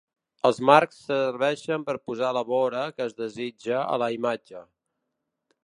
Els marcs serveixen per posar la vora que es desitja a la imatge.